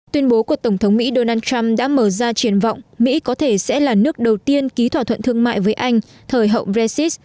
tuyên bố của tổng thống mỹ donald trump đã mở ra triển vọng mỹ có thể sẽ là nước đầu tiên ký thỏa thuận thương mại với anh thời hậu brexit